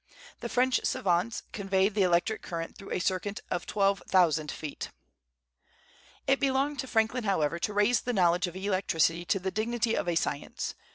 The French savants conveyed the electric current through a circuit of twelve thousand feet. It belonged to Franklin, however, to raise the knowledge of electricity to the dignity of a science.